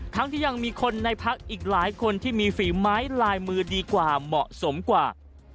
ทั้งที่ยังมีคนในพักอีกหลายคนที่มีฝีไม้ลายมือดีกว่าเหมาะสมกว่า